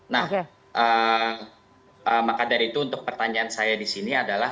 nah maka dari itu untuk pertanyaan saya disini adalah